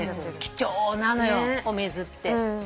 貴重なのよお水って。